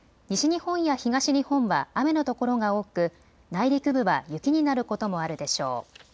西日本や東日本は雨の所が多く内陸部は雪になることもあるでしょう。